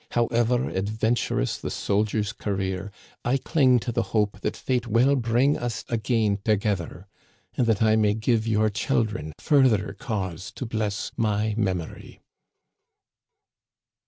However adventurous the soldier's career, I cling to the hope that Fate will bring us again together, and that I may give your children further cause to bless my memory."